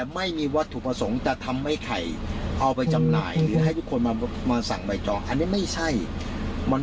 มันผิดวัตถุประสงค์ของผมผมไม่ใช่อย่างนั้น